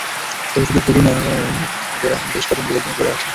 তবে শুধু গুলই নয়, ওদের আরও বেশ কজন বিপজ্জনক বোলার আছে।